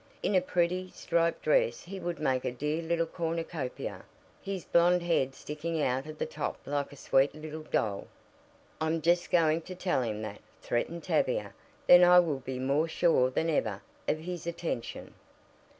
"In a pretty, striped dress he would make a dear little cornucopia, his blond head sticking out of the top like a sweet little doll." "I'm just going to tell him that," threatened Tavia. "Then I will be more sure than ever of his attention."